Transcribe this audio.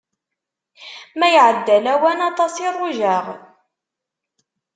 Ma iɛedda lawan, aṭas i rujaɣ.